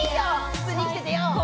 普通に生きててよ！